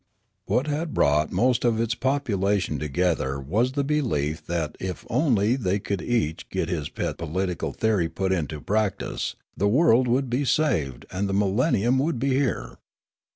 What had brought most of its population together was the belief that if only they could each get his pet political theory put into practice, the world would be saved and the millennium would be here.